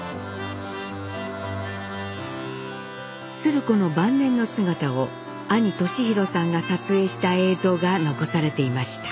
鶴子の晩年の姿を兄年浩さんが撮影した映像が残されていました。